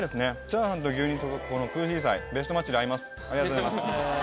ありがとうございます。